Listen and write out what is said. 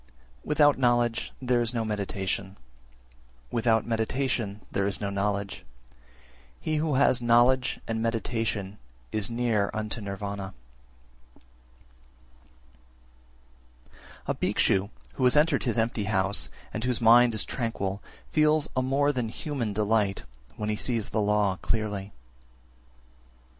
Without knowledge there is no meditation, without meditation there is no knowledge: he who has knowledge and meditation is near unto Nirvana. 373. A Bhikshu who has entered his empty house, and whose mind is tranquil, feels a more than human delight when he sees the law clearly. 374.